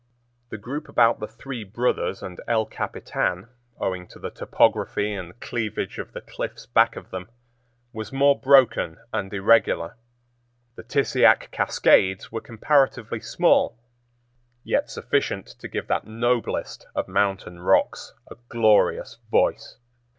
The group about the Three Brothers and El Capitan, owing to the topography and cleavage of the cliffs back of them, was more broken and irregular. The Tissiack Cascades were comparatively small, yet sufficient to give that noblest of mountain rocks a glorious voice.